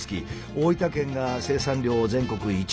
大分県が生産量全国１位。